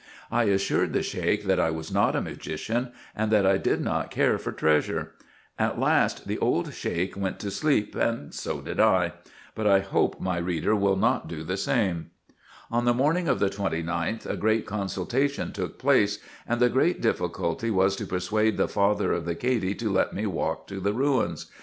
I assured the Sheik that I was not a magician, and that T did not care for treasure. 3 n 418 RESEARCHES AND OPERATIONS At last the old Sheik went to sleep, and so did I ; but I hope my reader will not do the same. On the morning of the 29th a great consultation took place, and the great difficulty was to persuade the father of the Cady to let me walk to the ruins.